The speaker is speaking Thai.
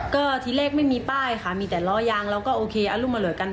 ก็ทีแรกไม่มีป้ายค่ะมีแต่ล้อยางเราก็โอเคอรุ่นมาเหลือกัน